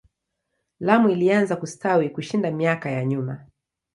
Lamu ilianza kustawi kushinda miaka ya nyuma.